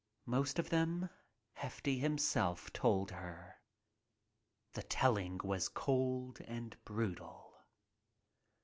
Most of them Hefty himself told her. The telling was cold and brutal.